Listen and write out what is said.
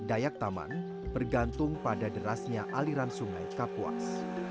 dayak taman bergantung pada derasnya aliran sungai kapuas